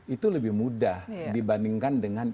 itu lebih mudah dibandingkan dengan